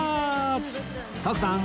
徳さん